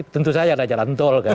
tentu saja ada jalan tol